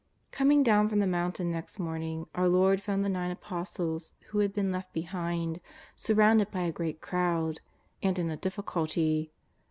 Coming down from the mountain next morning our Lord found the nine Apostles who had been left be hind, surrounded by a great crowd, and in a difficulty.